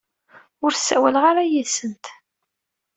Ur ssawaleɣ ara yid-sent.